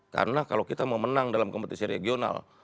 karena kalau kita mau menang dalam kompetisi regional